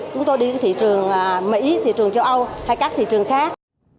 chúng tôi đi thị trường mỹ thị trường châu âu hay các thị trường khác